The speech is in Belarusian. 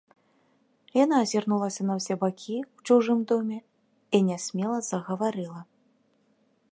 Яна азірнулася на ўсе бакі ў чужым доме і нясмела загаварыла.